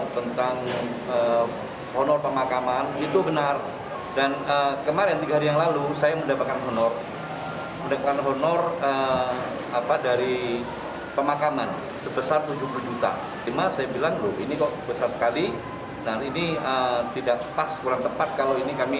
kepala bpbd jember hendi siswanto